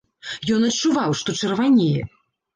Ён адчуваў, што чырванее.